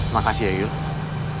makasih ya yul